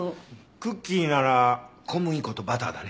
クッキーなら小麦粉とバターだね。